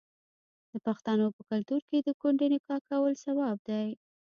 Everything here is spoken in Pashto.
د پښتنو په کلتور کې د کونډې نکاح کول ثواب دی.